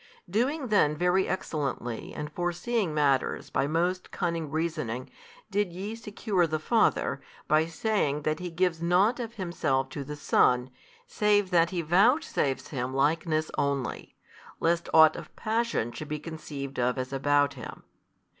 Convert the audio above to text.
Doing then very excellently and fore seeing matters by most cunning reasoning did ye secure the Father, by saying that He gives nought of Himself to the Son, save that He vouchsafes Him Likeness only, lest ought of passion should be conceived of as about Him.